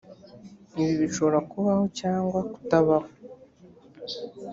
ibi bishobora kubaho cg kutabaho